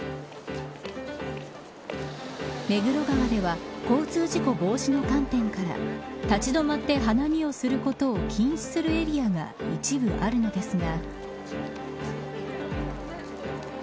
目黒川では交通事故防止の観点から立ち止まって花見をすることを禁止するエリアが一部あるのですが。